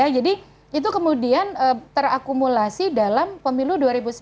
jadi itu kemudian terakumulasi dalam pemilu dua ribu sembilan belas